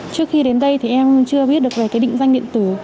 trước khi đến đây thì em chưa biết được về cái định danh điện tử